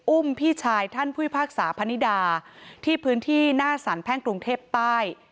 อุ้มพี่ชายท่านพุทธภาคศาสตร์พนิดาที่พื้นที่หน้าสรรค์แพร่งกรุงเทพใต้